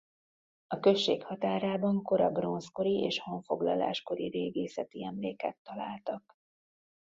A község határában kora bronzkori és honfoglalás kori régészeti emléket találtak.